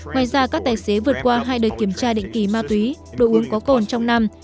ngoài ra các tài xế vượt qua hai đời kiểm tra định kỳ ma túy đồ uống có cồn trong năm